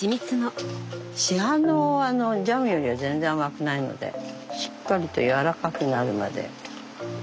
市販のジャムよりは全然甘くないのでしっかりとやわらかくなるまで。